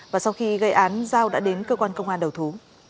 và sau khi gây án giao đã đến cơ quan công an đầu thú